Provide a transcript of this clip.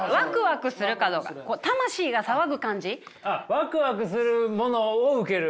ワクワクするものを受ける。